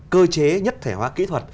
cơ chế nhất thể hóa kỹ thuật